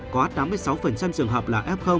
có tám mươi sáu trường hợp là f